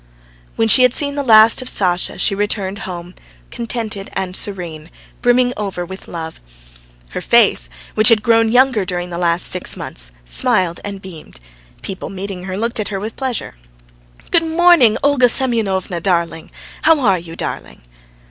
When she had seen the last of Sasha, she returned home, contented and serene, brimming over with love; her face, which had grown younger during the last six months, smiled and beamed; people meeting her looked at her with pleasure. "Good morning, Olga Semyonovna, darling. How are you, darling?"